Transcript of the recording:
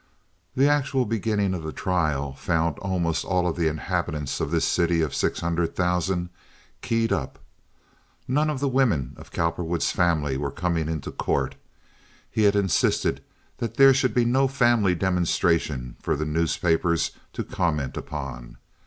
The actual beginning of the trial found almost all of the inhabitants of this city of six hundred thousand "keyed up." None of the women of Cowperwood's family were coming into court. He had insisted that there should be no family demonstration for the newspapers to comment upon.